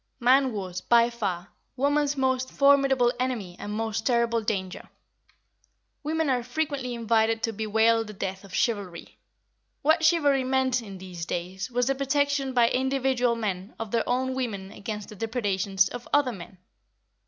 Man was, by far, woman's most formidable enemy and most terrible danger. Women are frequently invited to bewail the death of chivalry. What chivalry meant, in these days, was the protection by individual men of their own women against the depredations of other men.